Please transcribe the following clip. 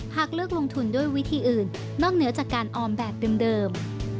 หากเลือกลงทุนด้วยวิธีอื่นนอกเหนือจากการออมแบบเดิม